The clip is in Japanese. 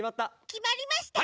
きまりました。